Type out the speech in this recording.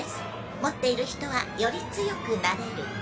持っている人はより強くなれる。